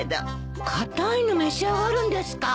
硬いの召し上がるんですか？